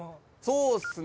そうっすね。